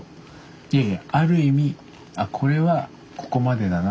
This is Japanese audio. いやいやある意味これはここまでだな。